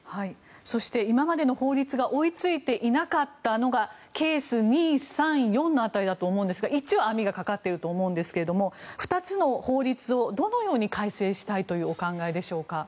そして、今までの法律が追いついていなかったのがケース２、３、４の辺りだと思うんですが２つの法律をどのように改正したいというお考えでしょうか。